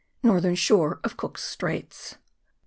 Northern Shore of Cook's Straite.